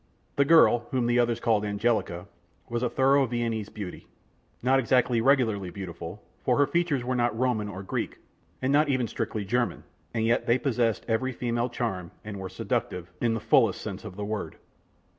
The girl, whom the others called Angelica, was a thorough Viennese beauty, not exactly regularly beautiful, for her features were not Roman or Greek, and not even strictly German, and yet they possessed every female charm, and were seductive, in the fullest sense of the word.